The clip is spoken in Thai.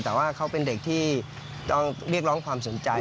แต่ว่าเขาเป็นเด็กที่ต้องเรียกร้องความสนใจ